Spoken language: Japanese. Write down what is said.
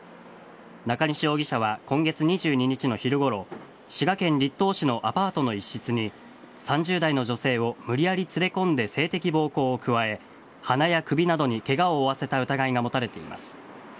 中西容疑者は今月２２日の昼ごろ滋賀県栗東市のアパートの一室に３０代の女性を無理やり連れ込んで性的暴行を加え鼻や首などにケガを負わせた疑いが持たれています。